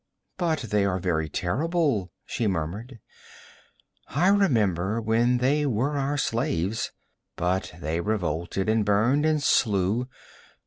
'But they are very terrible,' she murmured. 'I remember when they were our slaves. But they revolted and burned and slew.